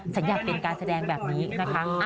ฉันอยากเป็นการแสดงแบบนี้นะคะ